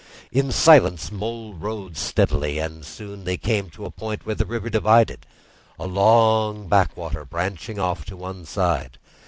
In silence Mole rowed steadily, and soon they came to a point where the river divided, a long backwater branching off to one side.